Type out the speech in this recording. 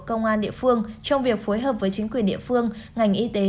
công an địa phương trong việc phối hợp với chính quyền địa phương ngành y tế